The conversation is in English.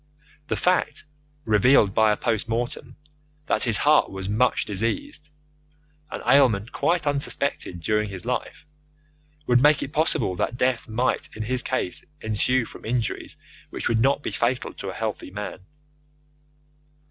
The fact, revealed by a post mortem, that his heart was much diseased an ailment quite unsuspected during his life would make it possible that death might in his case ensue from injuries which would not be fatal to a healthy man.